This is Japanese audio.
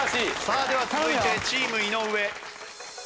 さあでは続いてチーム井上。